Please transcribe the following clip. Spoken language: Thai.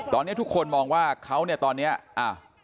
ตอนนี้ทุกคนมองว่าเขาเนี่ยตอนเนี้ยอ้าว